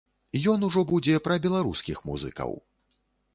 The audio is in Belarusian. Ён ўжо будзе пра беларускіх музыкаў.